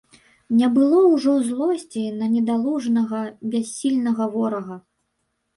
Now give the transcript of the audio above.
Не было ўжо злосці на недалужнага, бяссільнага ворага.